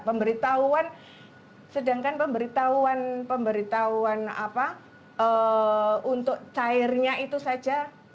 pemberitahuan sedangkan pemberitahuan pemberitahuan untuk cairnya itu saja